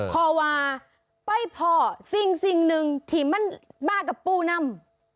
เพราะว่าไปพอสิ่งนึงที่มันมากับปูน้ำ